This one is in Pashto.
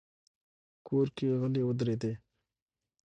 کور کې غلې ودرېدې.